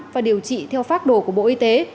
và điều trị theo phác đồ của bộ y tế